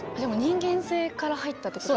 人間性から入ったってこと。